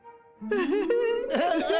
ウフフフフ。